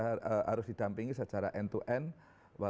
harus didampingi secara end to end